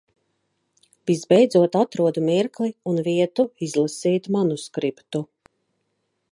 Visbeidzot atrodu mirkli un vietu izlasīt manuskriptu.